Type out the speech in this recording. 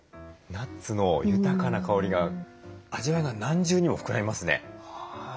ナッツの豊かな香りが味わいが何重にも膨らみますね。